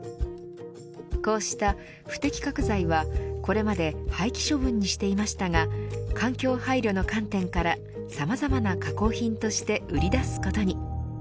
こうした不適格材はこれまで廃棄処分にしていましたが環境配慮の観点からさまざまな加工品として売り出すことに。